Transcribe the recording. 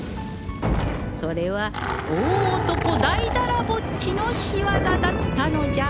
それは大男だいだらぼっちの仕業だったのじゃ